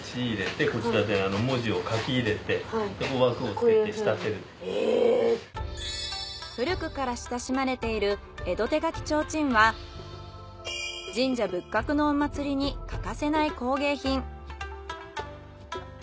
貼って古くから親しまれている江戸手描提灯は神社仏閣のお祭りに欠かせない工芸品。